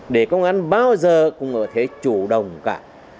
để công an bao giờ cũng có thế chủ động cả